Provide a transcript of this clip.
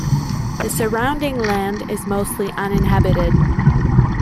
The surrounding land is mostly uninhabited.